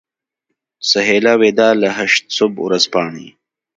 سهیلا وداع له هشت صبح ورځپاڼې.